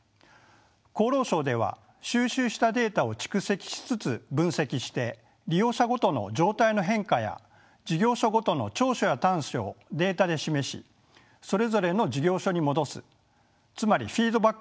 厚労省では収集したデータを蓄積しつつ分析して利用者ごとの状態の変化や事業所ごとの長所や短所をデータで示しそれぞれの事業所に戻すつまりフィードバックをします。